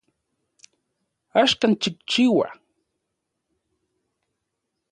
Axkan xikchiua